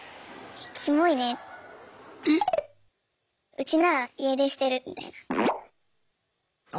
「うちなら家出してる」みたいな。